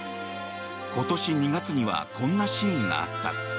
今年２月にはこんなシーンがあった。